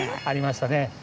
ありましたね